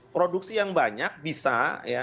produksi yang banyak bisa ya